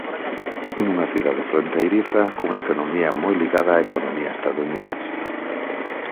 Nunha cidade fronteiriza, cunha economía moi ligada á economía estadounidense.